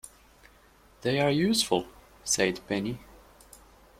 “They are useful,” said Penny.